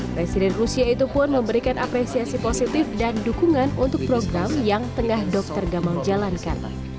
presiden rusia itu pun memberikan apresiasi positif dan dukungan untuk program yang tengah dokter gamang jalankan